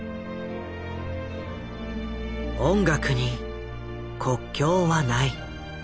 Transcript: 音楽に国境はない。